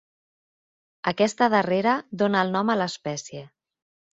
Aquesta darrera dona el nom a l'espècie.